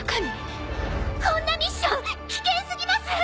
こんなミッション危険過ぎます！